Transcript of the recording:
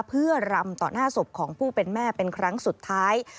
เพื่อรำต่อหน้าศพของผู้เป็นแม่เป็นครั้งสุดท้าย